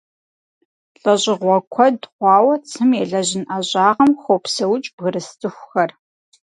ЛӀэщӀыгъуэ куэд хъуауэ цым елэжьын ӀэщӀагъэм хопсэукӀ бгырыс цӀыхухэр.